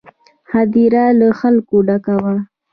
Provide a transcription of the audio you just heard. هدیره له خلکو ډکه وه.